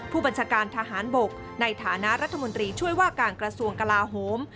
ผู้บัญชาการทหารบกในฐานะรัฐมนตรีช่วยว่าการกระทรวงกลาโหม